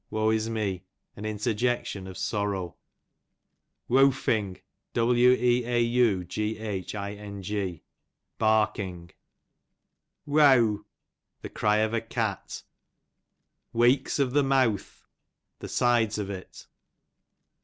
woe is tne, an inter jection of sorroiv. Weaughing, barking. Weaw, the cry of a cat. Weeks of the Mouth, the sides of it.